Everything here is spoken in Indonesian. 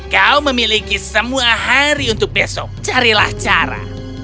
kau memiliki semua hari untuk besok carilah cara